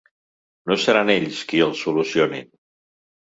No seran ells qui el solucionin!